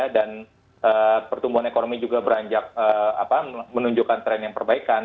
dan pertumbuhan ekonomi juga beranjak menunjukkan tren yang perbaikan